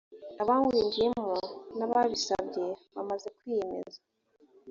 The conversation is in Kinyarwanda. abawinjiyemo ni ababisabye bamaze kwiyemeza